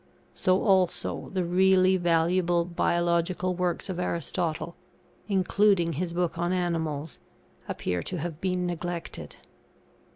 So also, the really valuable Biological works of Aristotle, including his book on Animals, appear to have been neglected.